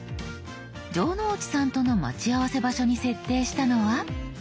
城之内さんとの待ち合わせ場所に設定したのは。